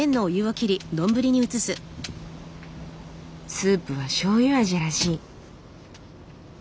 スープはしょうゆ味らしい。